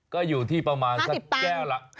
ก็อยู่ที่ประมาณสักแก้วละ๕๐ตังค์